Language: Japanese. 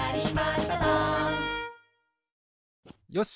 よし！